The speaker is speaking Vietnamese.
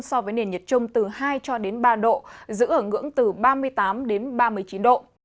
so với nền nhiệt trung từ hai ba độ giữ ở ngưỡng từ ba mươi tám ba mươi chín độ